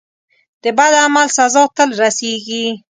د بد عمل سزا تل رسیږي.